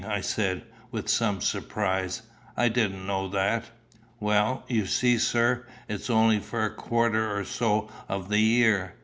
I said, with some surprise; "I didn't know that." "Well, you see, sir, it's only for a quarter or so of the year.